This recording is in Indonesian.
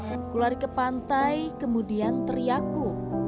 aku lari ke pantai kemudian teriaku